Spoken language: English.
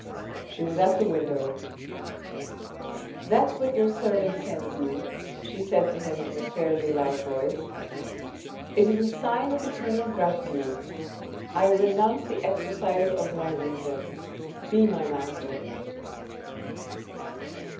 She was at the window. " That's what your servant sends you," she said to him in a 24 370 THE RED AND THE BLACK fairly loud voice, "It is the sign of eternal gratitude. I re nounce the exercise of my reason, be my master."